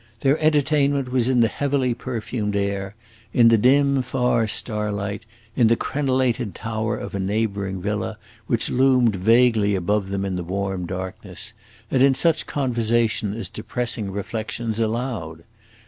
Their entertainment was in the heavily perfumed air, in the dim, far starlight, in the crenelated tower of a neighboring villa, which loomed vaguely above them in the warm darkness, and in such conversation as depressing reflections allowed.